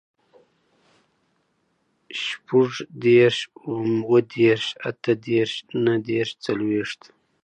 شپوږدېرس, اوهدېرس, اتهدېرس, نهدېرس, څلوېښت